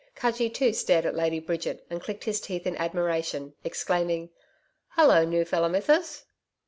Cudgee, too, stared at Lady Bridget and clicked his teeth in admiration, exclaiming: 'Hullo! New feller Mithsis.'